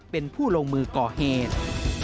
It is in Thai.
เป็นผู้ลงมือก่อเหตุ